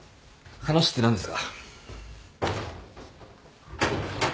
話って何ですか？